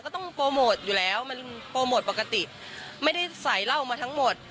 ต้องโปรโมทอยู่แล้วมันโปรโมทปกติไม่ได้ใส่เหล้ามาทั้งหมด